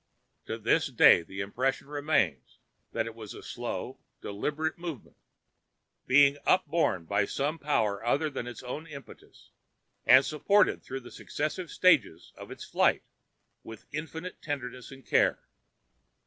To this day the impression remains that it was a slow, deliberate movement, the ram—for it was that animal—being upborne by some power other than its own impetus, and supported through the successive stages of its flight with infinite tenderness and care.